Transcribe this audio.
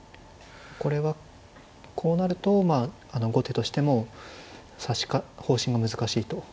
これはこうなると後手としても方針が難しいと。